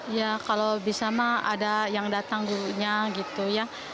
ya kalau bisa mah ada yang datang gurunya gitu ya